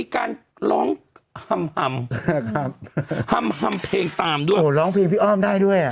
ให้ล้องหำเพลงตามด้วยโอ้ยล้องเพลงพี่อ้อมได้ด้วย